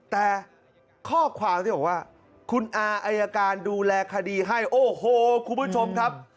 แต่ข้อความที่บอกว่าคุณอาอายการดูแลคดีให้โอ้โหคุณผู้ชมครับ